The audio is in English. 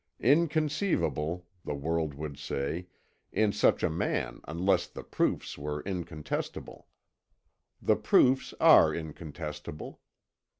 Inconceivable, the world would say, in such a man, unless the proofs were incontestable. The proofs are incontestable.